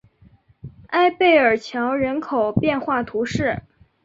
埃贝尔桥人口变化图示